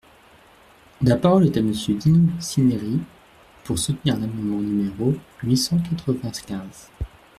La parole est à Monsieur Dino Cinieri, pour soutenir l’amendement numéro huit cent quatre-vingt-quinze.